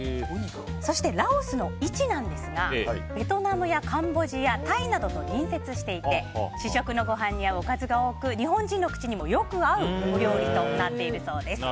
そして、ラオスの位置なんですがベトナムやカンボジアタイなどと隣接していて主食のご飯に合うおかずが多く日本人の口にもよく合うお料理となっているそうです。